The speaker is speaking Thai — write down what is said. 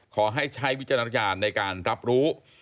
ขอให้ใช้วิจารณาอย่างได้รับรู้